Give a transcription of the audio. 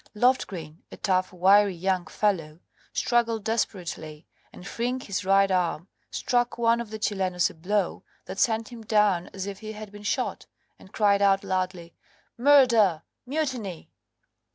Loftgreen, a tough, wiry young fellow, struggled desperately, and freeing his right arm struck one of the Chilenos a blow that sent him down as if he had been shot, and cried out loudly, "Murder!" "Mutiny!"